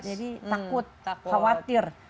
jadi takut khawatir